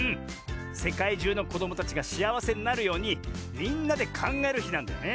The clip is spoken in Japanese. せかいじゅうのこどもたちがしあわせになるようにみんなでかんがえるひなんだよね。